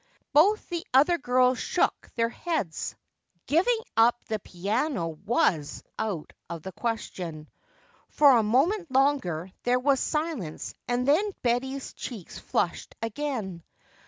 Both the other girls shook their heads. Giving up the piano was out of the question. For a moment longer there was silence and then Betty's cheeks flushed again.